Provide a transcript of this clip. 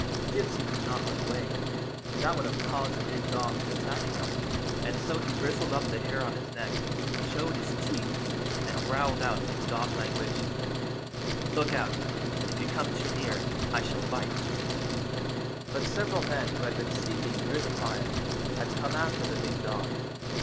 Gypsy could not run away, for that would have caused the big dog to attack him, and so he bristled, up the hair on his neck, 182 GYPSY MAKES ANOTHER MISTAKE showed liis teetli, and growled out in dog lan guage :" Look out ! If you come too near, I shall biter But several men who had been sleeping near the fire had come after the big dog.